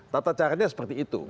tata caranya seperti itu